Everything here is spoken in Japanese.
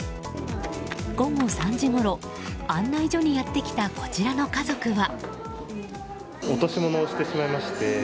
午後３時ごろ、案内所にやってきたこちらの家族は。